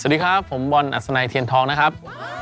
สวัสดีครับผมบอลอสเตอร์ไนท์ทียันท้องนะครับ